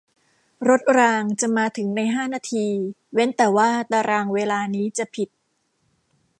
รถรางจะมาถึงในห้านาทีเว้นแต่ว่าตารางเวลานี้จะผิด